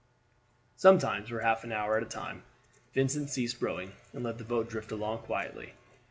Sometimes for half an hour at a time Vincent ceased rowing, and let the boat drift along quietly.